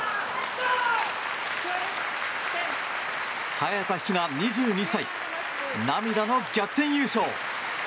早田ひな、２２歳涙の逆転優勝！